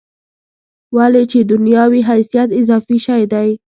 ولې چې دنیا وي حیثیت اضافي شی دی.